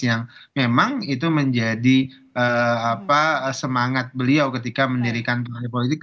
yang memang itu menjadi semangat beliau ketika mendirikan partai politik